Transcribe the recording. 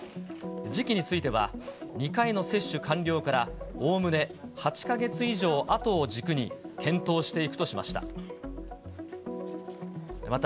時期については、２回の接種完了からおおむね８か月以上あとを軸に検討していくとしました。